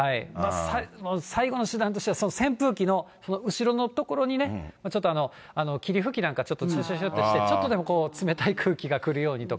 最後の手段としては、扇風機の後ろのところにね、ちょっと霧吹きなんかしゅしゅしゅっとして、ちょっとでも冷たい空気が来るようにとか。